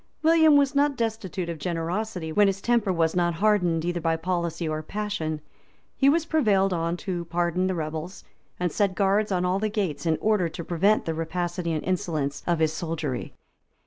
William was not destitute of generosity, when his temper was not hardened either by policy or passion: he was prevailed on to pardon the rebels, and he set guards on all the gates, in order to prevent the rapacity and insolence of his soldiery.